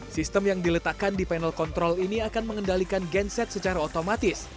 sistem yang diletakkan di panel control ini akan mengendalikan genset secara otomatis